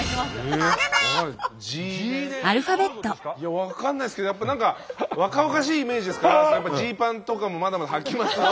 分かんないですけどやっぱ何か若々しいイメージですからジーパンとかもまだまだはきますよね。